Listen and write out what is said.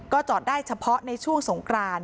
จอดได้เฉพาะในช่วงสงกราน